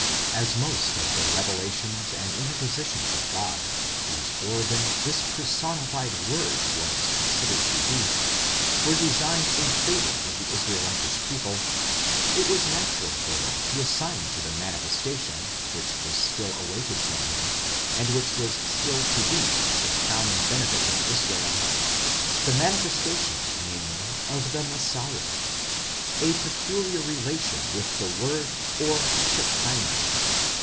As most of the revelations and interpositions of God, whose organ this personified Word was considered to be, were designed in favour of the Israelitish people, it was natural for them to assign to the manifestation which was still awaited from Him, and which was to be the crowning benefit of Israel,—the manifestation, namely, of the Messiah,—a peculiar relation with the Word or Shechina.?